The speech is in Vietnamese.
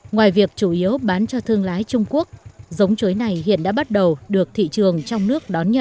ngoài việc chủ yếu bán cho thương lái trung quốc giống chuối này hiện đã bắt đầu được thị trường trong nước đón nhận